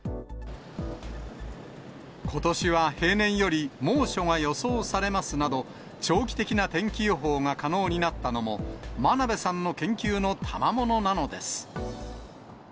ことしは平年より猛暑が予想されますなど、長期的な天気予報が可能になったのも、真鍋さんの研究の賜物なのです。